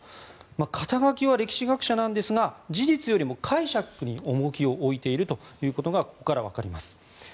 肩書は歴史学者なんですが事実よりも解釈に重きを置いていることがここから分かります。